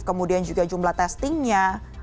kemudian juga jumlah testingnya